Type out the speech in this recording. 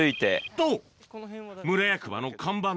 と。